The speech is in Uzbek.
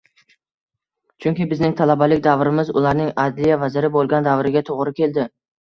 Chunki bizning talabalik davrimiz ularning Adliya vaziri bo'lgan davriga to'g'ri keldi.